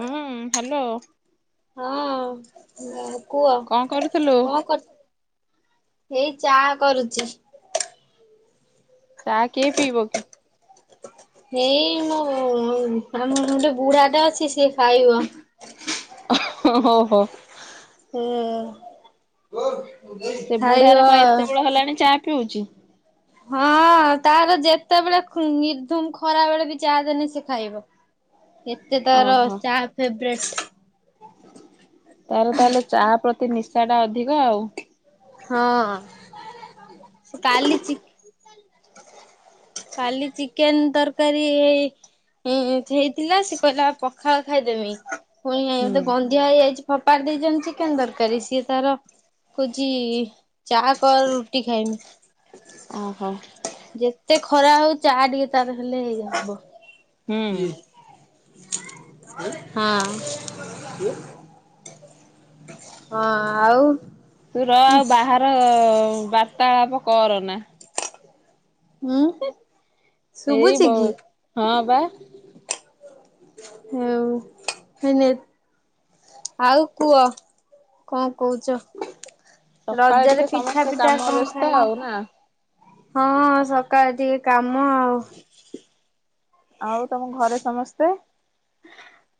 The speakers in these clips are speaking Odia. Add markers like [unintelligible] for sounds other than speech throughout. ହୁଁ ହ୍ୟାଲୋ। ହଁ ଆଁ କୁହ କଣ କରୁଥିଲୁ କଣ କର ଏଇ ଚା କରୁଛି। ଚା କିଏ ପିଇବ କି? ଏଇ ମୋ ଆମର ଗୋଟେ ବୁଢା ଟା ଅଛି ସିଏ ଖାଇବ। ଓ ହୋ ହୋ ହୋ। ହୁଁ। ସେ ଖାଇବ ବୁଢାର କଣ ଏତେ ବେଳ ହେଲାଣି ଚା ପିଉଛି। ହଁ ତାର ଯେତେବେଳେ ନିର୍ଧୁମ ଖରା ବେଳେ ବି ଚା ଦେନେ ସେ ଖାଇବ। ଏତେ ତାର ଓହୋ। ଚା ଫେବ୍ରେଟ୍। ତାର ତା ହେଲେ ଚା ପ୍ରତି ନିଶା ଟା ଅଧିକ ଆଉ। ହଁ ସେ କାଲି ଚି କାଲି ଚିକେନ୍ ତରକାରୀ ହେଇ [unintelligible] ହେଇଥିଲା ସେକହିଲା ପଖାଳ ଖାଇଦେମି ପୁଣି ଇଁ ହୁଁ ମତେ ଗନ୍ଧ ଦିଆ ହେଇଯାଇଛି ଫୋପାଡ଼ି ଦେଇଛନ୍ତି ଚିକେନ୍ ଦରକାରୀ ସିଏ ତାର କହୁଛି ଚା କର ରୁଟି ଖାଇମି। ଓହୋ। ଯେତେ ଖରା ହଉ ଚା ଟିକେ ତାର ହେଲେ ହେଇ ହବ। ହୁଁ। ହଁ। ହଁ ଆଉ ତୁ ର ଆଉ ହୁଁ ବାହାର ବାର୍ତ୍ତାଳାପ କର ନା। ହୁଁ ଏଇ ଶୁଭୁଛି ବୋଉ କି ହଁ ବା। ହଉ ହେନେ ଆଉ କୁହ କଣ କହୁଛ? ସକାଳେ ରଜରେ ଟିକେ ପିଠା ସମସ୍ତେ ପିଠା କାମ କଣ ବ୍ୟସ୍ତ ଆଉ ଖାଇଲ? ନା। ହଁ ସକାଳେ ଟିକେ କାମ ଆଉ। ଆଉ ତମ ଘରେ ସମସ୍ତେ?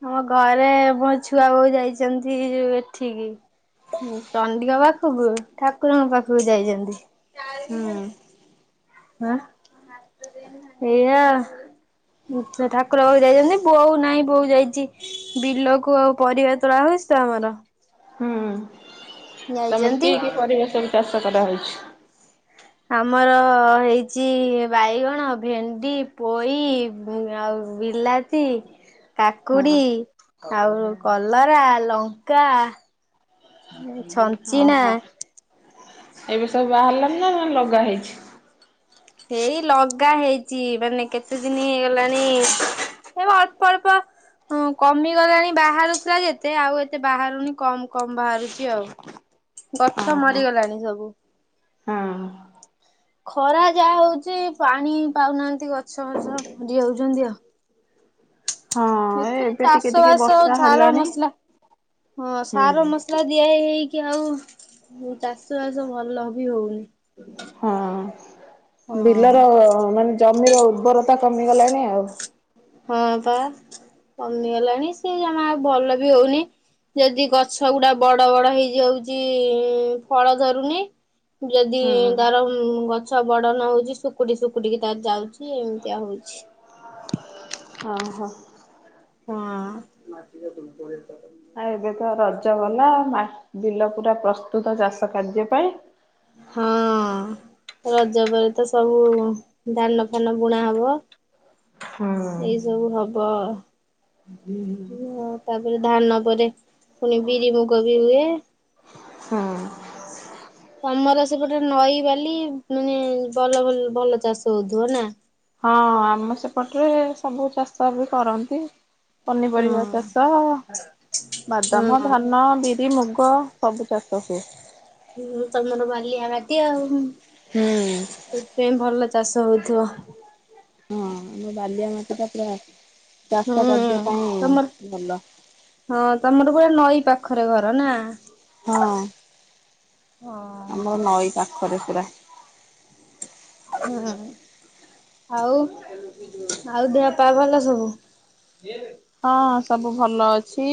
ଆମ ଘରେ ମୋ ଛୁଆ ବୋଉ ଯାଇଛନ୍ତି ଯୋଉ ଏଠିକି। ଚଣ୍ଡିଙ୍କ ପାଖକୁ ଠାକୁରଙ୍କ ପାଖକୁ ଯାଇଛନ୍ତି। ହୁଁ। ହଁ ଏଇୟା। ଛା ଠାକୁର ପାଖକୁ ଯାଇଛନ୍ତି ବୋଉ ନାହିଁ ବୋଉ ଯାଇଛି। ବିଲକୁ ଆଉ ପରିବା ତୋଳା ହଉଛି ତ ଆମର। ହୁଁ ତମର ଯାଇଛନ୍ତି କି କି ପରିବା ସବୁ ଚାଷ କରାହଉଛି? ଆମର ହେଇଛି ବାଇଗଣ, ଭେଣ୍ଡି, ପୋଇ ଆଉ ବିଲାତି ହଁ। କାକୁଡ଼ି ଆଉ କଲରା, ଲଙ୍କା, ଛ ଓହୋ ଏବେ ସବୁ ବାହାରିଲାଣି ନା ନା ଲଗା ହେଇଛି? ହେଇ ଲଗା ହେଇଛି ମାନେ କେତେ ଦିନି ହେଇଗଲାଣି ଏବେ ଅଳ୍ପ ଅଳ୍ପ ହଁ କମିଗଲାଣି ବାହାରୁଥିଲା ଯେ ଏତେ ଆଉ ଏତେ ବାହାରୁନି କମ୍ କମ୍ ବାହାରୁଚି ଆଉ। [inaudible] ଗଛ ଓହୋ। ମରିଗଲାଣି ସବୁ। ହଁ। ଖରା ଯାହା ହଉଚି ପାଣି ପାଉନାହାଁନ୍ତି ଗଛ ଫଛ ରି ଯାଉଛନ୍ତି ଆଉ। ହଁ ଏଥିରେ ଏବେ ଟିକେ ଚାଷ ଟିକେ ବାସ ଆଉ ବର୍ଷା ଛାର ହେଲାଣି। ମସଲା ହଁ ସାର ହୁଁ। ମସ ସଲା ଦିଆ ହେଇ ହେଇକି ଆଉ ଚାଷ ବାସ ଭଲ ବି ହଉନି। ହଁ ହଁ ବିଲର ମାନେ ଜମିର ଉର୍ବରତା କମିଗଲାଣି ଆଉ। ହଁ ବା କମିଗଲାଣି ସେ ଜମା ଆଉ ଭଲ ବି ହଉନି। ଯଦି ଗଛ ଗୁଡା ବଡ ବଡ ହେଇଯାଉଛି ଫଳ ଧରୁନି। ଯଦି ହୁଁ। ଧର ଗଛ ବଡ ନ ହଉଚି ଶୁକୁଟି ଶୁକୁଟି କି ତାର ଯାଉଚି ଏମତିଆ ହଉଚି। ଓ ହୋ। ହଁ। ଆ ଏବେ ତ ରଜ ଗଲା ମା ବିଲ ପୁରା ପ୍ରସ୍ତୁତ ଚାଷ କାର୍ଯ୍ୟ ପାଇଁ। ହଁ ରଜ ପରେ ତ ସବୁ ଦାନ ଫାନ ବୁଣା ହବ। ଏଇ ସବୁ ହବ। ତାପରେ ଧାନ ପରେ ପୁଣି ବିରି, ମୁଗ ବି ହୁଏ। ହଁ। ତମର ସେପଟେ ନଈ ବାଲି ମାନେ ବଲ ଭ ଭଲ ଚାଷ ହଉଥିବ ନା? ହଁ ଆମ ସେପଟେରେ ସବୁ ଚାଷ ବି କରନ୍ତି। ପନିପରିବା ହଁ ଚାଷ ବାଦାମ, ହଁ। ଧାନ, ବିରି, ମୁଗ। ସବୁ ଚାଷ ହୁଏ। ହୁଁ ତମର ବାଲିଆ ମାଟି ଆଉ। ହୁଁ। ସେଇଥିପେଇଁ ଭଲ ଚାଷ ହଉଥିବ। ହଁ ଆମ ବାଲିଆ ମାଟି ଟା ପୁରା ଚାଷ ହୁଁ କାର୍ଯ୍ୟ ତମର ପାଇଁ ଭଲ। ହଁ ତମର ପୁରା ନଈ ପାଖରେ ଘର ନା? ହଁ ହଁ ଆମର ନଈ ପାଖରେ ପୁରା। ହୁଁ। ଆଉ ଆଉ ଦେହ ପା ଭଲ ସବୁ? ହଁ ସବୁ ଭଲ ଅଛି।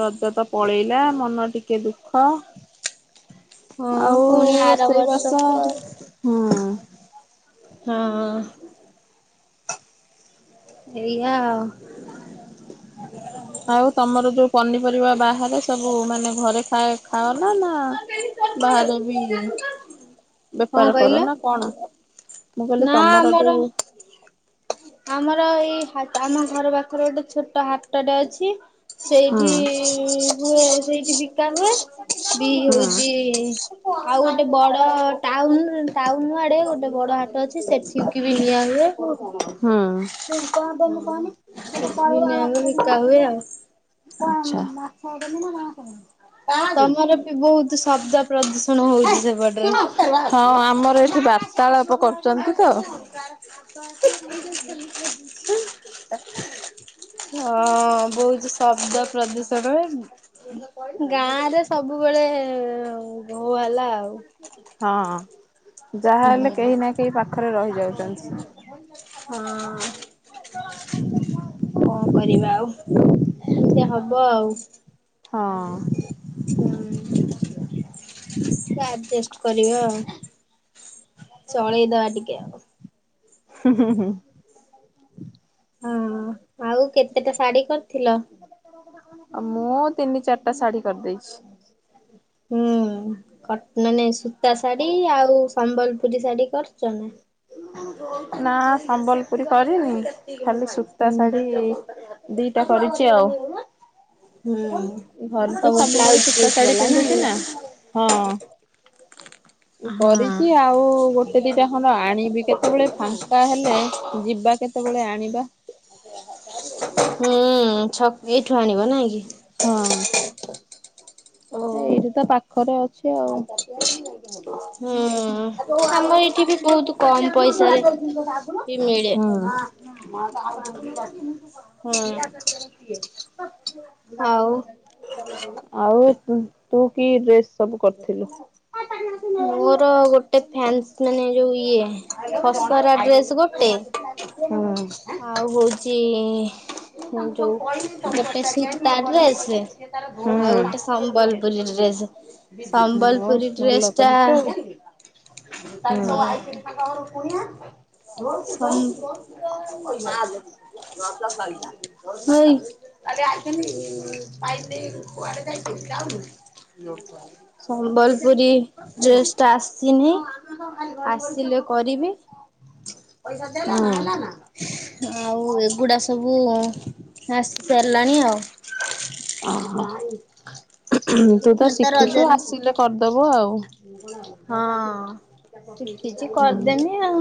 ରଜ ତ ପଳେଇଲା ମନ ଟିକେ ଦୁଃଖ। ହଁ ଆଉ ପୁଣି ଆର ରୋଷେଇବାସ ବର୍ଷକୁ ଆଉ। ହୁଁ। ହଁ। ଏଇଆ ଆଉ। ଆଉ ତମର ଯୋଉ ପନିପରିବା ବାହାରେ ସବୁ ମାନେ ଘରେ ଖାଏ ଖାଅ ନା ନା ବାହାରେ ବି କଣ ବେପାର କହିଲ? କର ନା କଣ ମୁଁ କହିଲି ନା ତମର ଆମର ଯୋଉ ଆମର ଏଇ ଆମ ଘର ପାଖରେ ଗୋଟେ ଛୋଟ ହାଟଟେ ଅଛି। ହୁଁ ସେଇଠି ହୁଏ ସେଇଟି ବିକା ହୁଏ। ବି ହୁଁ ହଉଚି ଆଉ ଗୋଟେ ବଡ ଟାଉନରୁ ଟାଉନ ଆଡେ ଗୋଟେ ବଡ ହାଟ ଅଛି ସେଠିକି ବି ନିଆ ହୁଏ। ହଁ ସେଠି ବି ନିଆ ହୁଏ ବିକା ହୁଏ ଆଉ। ହୁଁ। ଆଚ୍ଛା। ତମର ବି ବହୁତ ଶବ୍ଦ ପ୍ରଦୂଷଣ ହଉଚି ସେପଟେରେ। ହଁ ଆମର ଏଠି ବାର୍ତ୍ତାଳାପ କରୁଚନ୍ତି ତ। ତ ଆସୁନ ହଁ ବହୁତ ଶବ୍ଦ ପ୍ରଦୂଷଣ ଗାଁରେ ସବୁବେଳେ ଘୋ ହାଲା ଆଉ। ହଁ ଯାହା ହେଲେ ହୁଁ। କେହି ନା କେହି ପାଖରେ ରହିଯାଉଚନ୍ତି। ହଁ। କଣ କରିବା ଆଉ ଏମିତିଆ ହବ ଆଉ। ହଁ। ହୁଁ। ଆଡଜଷ୍ଟ କରିବା ଆଉ ଚଳେଇଦବା ଟିକେ ଆଉ। ହୁଁ ହୁଁ ହୁଁ। ହଁ ଆଉ କେତେଟା ଶାଢ଼ୀ କରିଥିଲ। ମୁଁ ତିନି ଚାରିଟା ଶାଢୀ କରିଦେଇଛି। ହୁଁ କ ମାନେ ସୂତା ଶାଢୀ ଆଉ ସମ୍ବଲପୁରୀ ଶାଢୀ କରିଚ ନା? ନା ସମ୍ବଲପୁରୀ କରିନି ଖାଲି ସୂତା ହୁଁ ଶାଢୀ ଦିଟା କରିଚି ଆଉ। ହୁଁ ଘରେ ତ ସବୁ ସବୁବେଳେ ବ୍ଲାଉଜ ସୂତା ପିସ୍ ଶାଢୀ ବାଲା ପିନ୍ଧୁଚି ନାଇଁ? ନା। ହଁ ଏଇ ହଁ କରିଚି ଆଉ ଗୋଟେ ଦିଟା ଖ ଆଣିବି କେତେବେଳେ ଫାଙ୍କା ହେଲେ ଯିବା କେତେବେଳେ ଆଣିବା। ହୁଁ ଛ ଏଇଠୁ ଆଣିବ ନାଇଁ କି? ହଁ। ଓ। ଆ ଏଇଠି ତ ପାଖରେ ଅଛି ଆଉ। ହୁଁ ଆମର ଏଇଠି ବି ବୋହୁତ କମ ପଇସାରେ କି ମିଳେ। ହଁ। ହୁଁ ଆଉ? ତୁ ଆଉ କି ଡ୍ରେସ୍ ସବୁ କରିଥିଲୁ? ମୋର ଗୋଟେ ଫ୍ୟାନ୍ ମାନେ ଯୋଉ ଇଏ ମୁଁ ଖସରା ଡ୍ରେସ ଗୋଟେ ହୁଁ। ଆଉ ହୋଉଚି ସେଇ ତାଙ୍କୁ ସବୁ ଯୋଉ କହିଲି ତମକୁ ଗୋଟେ ପଚାରିକି ଆଇଲି ସୂତା ମୋର ବନେଇ ଡ୍ରେସ କହିଦେଲି ସିଏ ତାର ଆଉ ଧୋଉଛି ଗୋଟେ ପାଣିରେ ଧୋଇଲେଣି। ସମ୍ବଲପୁରୀ ଡ୍ରେସ ସମ୍ବଲପୁରୀ ଡ୍ରେସଟା ତାପରେ ସବୁ ଆଇଥିଲେ ତାଙ୍କ ଘରକୁ କୁଣିଆ। ଭୋଉତୁ ସମ୍ ଭୋଉତୁ ଭୋଉତୁ ଯେ କହିବାନି। ଏଇ ଆଲି ଆସିଲି ଖାଇପିଇକି କୁଆଡେ ଯାଇଥିଲୁ ଟାଉନୁ? ସମ୍ବଲପୁରୀ ଡ୍ରେସଟା ଆସିନି। ଆସିଲେ କରିବି ହଁ। ଆଉ ଏଗୁଡ଼ା ସବୁ ଆସି ସାରିଲାଣି ଆଉ। ଅହ ତୁ ତ ମୁଁ ଶିଖିଚୁ ରଜରେ ଆସିଲେ କରିଦବ ଆଉ। [inaudible] ହଁ ଶିଖିଛି କରିଦେମି ଆଉ।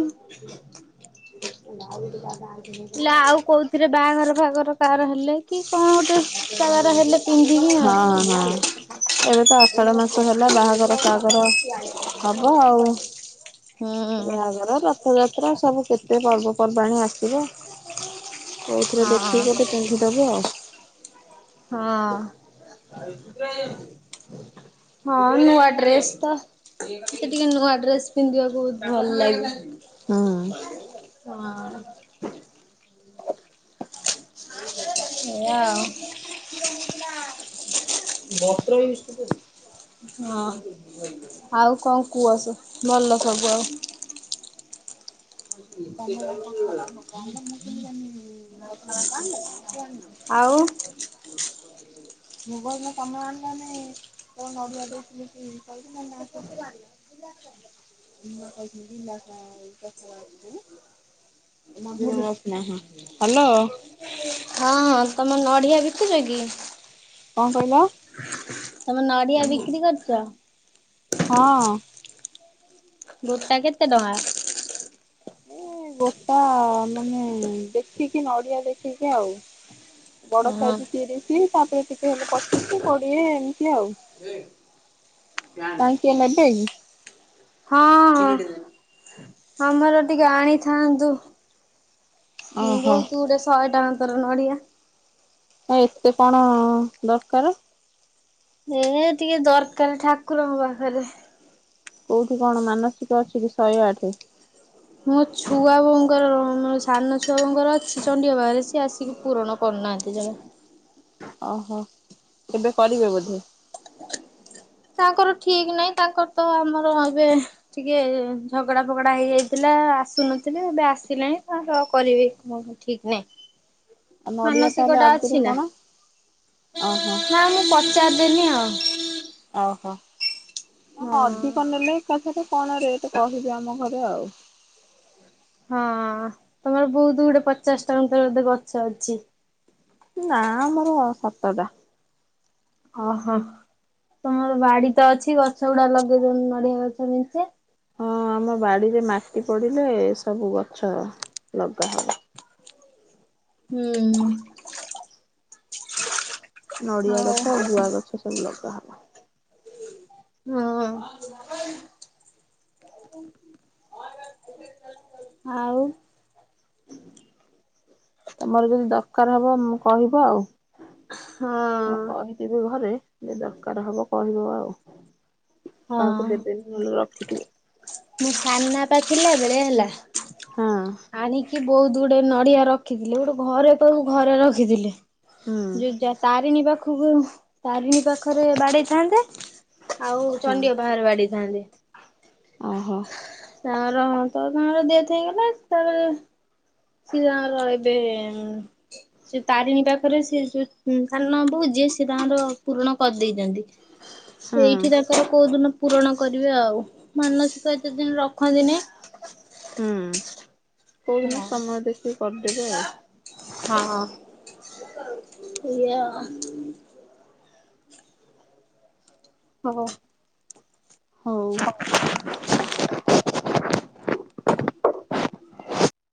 ହେଲେ ଆଉ କୋଉଥିରେ ବାହାଘର ଫାହାଘର କାହାର ହେଲେ କି କଣ ଗୋଟେ କାହାର ହେଲେ ପିନ୍ଧିବି ଆଉ। ହଁ ହଁ ଏବେ ତ ଆଷାଢ଼ ମାସ ହେଲା ବାହାଘର ସାହାଘର ହବ ଆଉ। ହଁ ବାହାଘର, ରଥଯାତ୍ରା ସବୁ କେତେ ପର୍ବପର୍ବାଣୀ ଆସିବ। କୋଉଥିରେ ଦେଖିକି ଗୋଟେ ପିନ୍ଧିଦବ। ହଁ। ହଁ ନୂଆଡ୍ରେସ ତ। ମତେ ଟିକେ ନୂଆ ଡ୍ରେସ୍ ପିନ୍ଧିବାକୁ ବୋହୁତ ଭଲ ଲାଗେ। ହଁ। ହଁ। ଏଇଆ ଆଉ। ହଁ ଆଉ କଣ କୁହ ସେ ଭଲ ସବୁ ଆଉ? ତମେ ବା ଟସଲା ଭୋଗ ଆଣିଲ ମୁଁ କେମିତି ଜାଣିଲି। ପତଳା ବାପା ଆଣିଲେନି ନା କିଏ ଆଣିଲେ? ଆଉ ମୁଗ ମ ସମୟ ଆଣିଲାନି ନଡିଆ [unintelligible] ମୁଁ ବା କହିଥିଲି ଗିଲାସ ଟସଲା ପାଇଁ। ମନ୍ଦିରରୁ ଆସିନା। ହ୍ୟାଲୋ। ହଁ ତମେ ନଡ଼ିଆ ବିକୁଚ କି? କଣ କହିଲ? ତମେ ନଡିଆ ବିକ୍ରି କରୁଚ? ହଁ। ଗୋଟା କେତେ ଟଙ୍କା? ଏ ଗୋଟା ମାନେ ଦେଖିକି ନଡିଆ ଦେଖିକି ଆଉ। ବଡ ହଁ। ସାଇଜ ତିରିଶ ତାପରେ ଟିକେ ହେଲେ ପଚିଶ କୋଡିଏ ଏମିତି ଆଉ। କାଇଁ କିଏ ନେବେ କି? ହଁ ଆମର ଟିକେ ଆଣିଥାନ୍ତୁ। ଓହୋ। ବହୁତ ଗୁଟେ ଶହେ ଟଙ୍କା ତର ନଡିଆ। ଆ ଏତେ କଣ ଦରକାର? ଏ ଟିକେ ଦରକାର ଠାକୁରଙ୍କ ପାଖରେ। କୋଉଠି କଣ ମାନସିକ ଅଛି କି ଶହେ ଆଠ ମୋ ଛୁଆ ବୋଉଙ୍କର ମୋ ସାନ ଛୁଆ ବୋଉଙ୍କର ଅଛି ଚଣ୍ଡିଙ୍କ ପାଖେରେ। ଆସିକି ପୂରଣ କରୁନାହାନ୍ତି ଜଣେ ଓହୋ କେବେ କରିବେ ବୋଧେ? ତାଙ୍କର ଠିକ ନାହିଁ ତାଙ୍କର ତ ଆମର ଏବେ ଟିକେ ଝଗଡା ଫଗଡା ହେଇଯାଇଥିଲା ଆସୁନଥିଲେ ଏବେ ଆସିଲାଣି ତାଙ୍କର କରିବେ [unintelligible] ଠିକ ନାଇଁ। ଆଉ ନଡ଼ିଆ ମାନସିକ ତାହେଲେ ଟା ଆଗରୁ ଅଛି ନା, କଣ ଓହୋ ନା ମୁଁ ପଚାରିଦେନି ଆଉ। ଓହୋ ହଁ ଅଧିକ ନେଲେ ଏକାଥେରେ କଣ ରେଟ କହିବି ଆମ ଘରେ ଆଉ। ହଁ ତମର ବହୁତ ଗୁଡେ ପଚାଶଟା ବୋଧେ ଗଛ ଅଛି? ନା ଆମର ସାତଟା। ଓହୋ ତମର ବାଡି ତ ଅଛି ଗଛ ଗୁଡା ଲଗେଇ ଦଉନ ନଡିଆ ଗଛ ମେଞ୍ଚେ। ହଁ ଆମ ବାଡିରେ ମାଟି ପଡିଲେ ସବୁ ଗଛ ଲଗା ହବ। ହୁଁ। ନଡିଆ ହଉ ଗଛ ଆଉ ଗୁଆ ଗଛ ସବୁ ଲଗାହବ। ହଁ। ଆଉ ତମର ଯଦି ଦରକାର ହବ ମୁଁ କହିବ ଆଉ। ହଁ ମୁଁ କହିଦିବି ଘରେ ଯେ ଦରକାର ହବ କହିବ ଆଉ ହଁ। କାହାକୁ ଦେବେ ରଖିଥିବେ। ମୋ ସାନା ପା ଥିଲା ବେଳେ ହେଲା। ହଁ ଆଣିକି ବହୁତ ଗୁଟଏ ନଡ଼ିଆ ରଖିଥିଲେି ଗୋଟେ ଘରେ ତ ଘରେ ରଖିଥିଲେ। ହୁଁ ଯୁଜା ତାରିଣୀ ପାଖକୁ ତାରିଣୀ ପାଖରେ ବାଡେଇଥାନ୍ତେ। ଆଉ ହଁ ଚଣ୍ଡିଅ ବାହାରୁ ବାଡିଥାନ୍ତି। ଓହୋ ତା ର ତ ତାଙ୍କର ଦେହ ହେଇଗଲା ତାପରେ ସି ତାର ଏବେ ସେ ତାରିଣୀ ପାଖରେ ସେ କାରଣବହୁ ଯିଏ ସି ତାଙ୍କର ପୂରଣ କରିଦେଇଛନ୍ତି। ହୁଁ ସେ ଏଇଠି ତାକୁ କଉ ଦିନ ପୂରଣ କରିବେ ଆଉ ମାନସିକ ଏତେ ଦିନ ରଖନ୍ତି ନାହିଁ। ହୁଁ କୋଉଦିନ ସମୟ ଦେଖିକି ହଁ କରିଦେବେ ଆଉ ହଁ ହଁ ସେଇଆ ହଵ ହଉ